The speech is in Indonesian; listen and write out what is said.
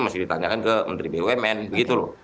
mesti ditanyakan ke menteri bumn begitu loh